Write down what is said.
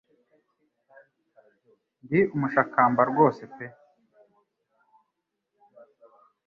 Ndi umushakamba rwose pe